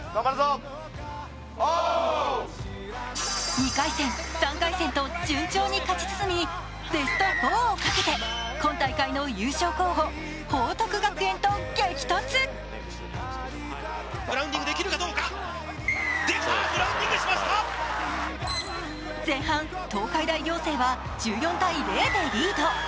２回戦、３回戦と順調に勝ち進みベスト４をかけて今大会の優勝候補・報徳学園と激突前半、東海大仰星は１４−０でリード。